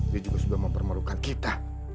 dia juga sudah mempermarukan kita